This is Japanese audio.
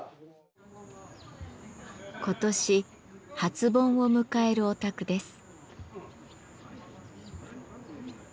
今年初盆を迎えるお宅です。